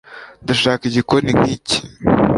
ndashaka igikoni nkiki